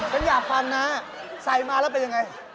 ฉันอยากฟังนะใส่มาแล้วเป็นยังไง